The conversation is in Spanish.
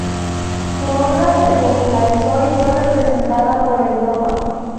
Su obra se popularizó y fue representada por Europa.